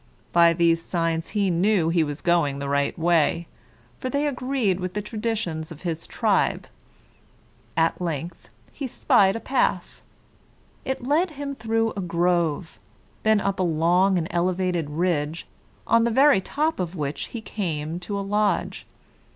By these signs he knew that he was going the right way, for they agreed with the traditions of his tribe. At length he spied a path. It led him through a grove, then up a long and elevated ridge, on the very top of which he came to a lodge.